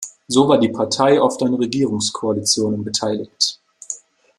So war die Partei oft an Regierungskoalitionen beteiligt.